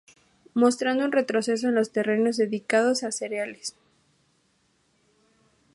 Mostrando un retroceso en los terrenos dedicados a cereales.